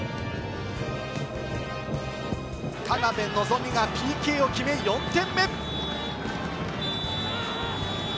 田邉望がＰＫを決め、４点目。